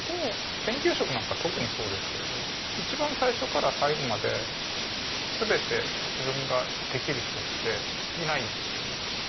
研究職なんか特にそうですけど一番最初から最後まで全て自分ができる人っていないんですよね。